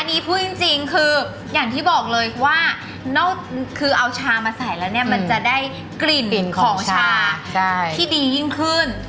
อันนี้พูดจริงคืออย่างที่บอกเลยว่านอกคือเอาชามาใส่แล้วเนี่ยมันจะได้กลิ่นของชาที่ดียิ่งขึ้น